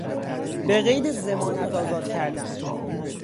به قید ضمانت آزاد کردن